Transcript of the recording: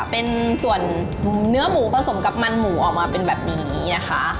เป็นส่วนเนื้อหมูผสมกับมันหมูออกมาเป็นแบบนี้นะคะ